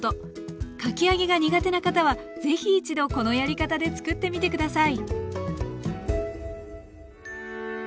かき揚げが苦手な方は是非一度このやり方で作ってみて下さい。